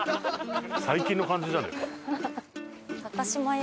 最近の感じじゃねえか。